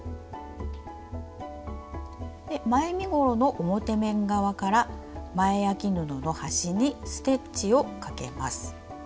前身ごろの表面側から前あき布の端にステッチをかけます。